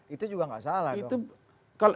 itu juga nggak salah dong